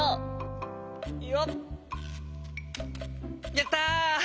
やった！